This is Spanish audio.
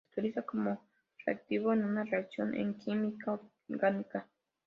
Se utiliza como reactivo en una reacción en química orgánica.